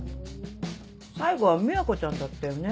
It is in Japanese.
最後は美和子ちゃんだったよね